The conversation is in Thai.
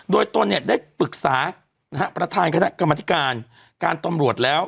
โดยตนเนี่ยได้ปรึกษาประธานคณะกรรมธิการการตำรวจแล้ว